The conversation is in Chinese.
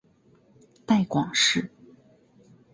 带广市